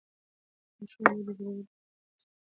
ماشوم باید د بېلېدو اضطراب تجربه وکړي.